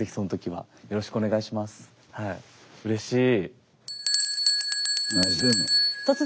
⁉はい。